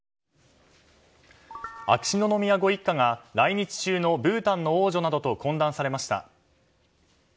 秋篠宮ご一家が来日中のブータンの王女などと懇談されました。